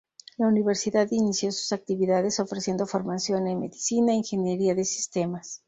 La universidad inició sus actividades ofreciendo formación en Medicina e Ingeniería de Sistemas.